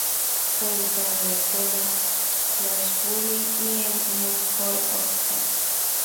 Fue educado en la Escuela Shrewsbury y en el New College, Oxford.